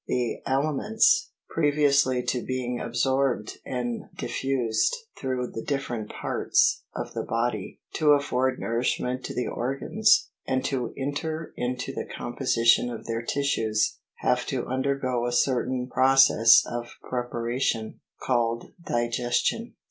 The aliments, pre viously to being absorbed and diffused through the different paris of the body, to afford nourishment to the organs, and to enter into the composition of their tissues, have to undergo a certain pro cess of preparation, called digestion.